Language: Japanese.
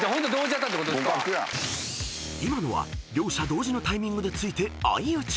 ［今のは両者同時のタイミングで突いて相打ち］